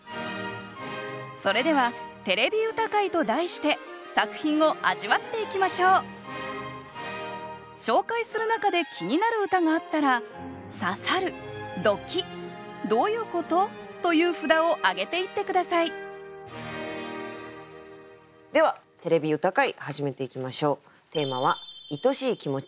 それでは「てれび歌会」と題して作品を味わっていきましょう紹介する中で気になる歌があったらという札を挙げていって下さいでは「てれび歌会」始めていきましょう。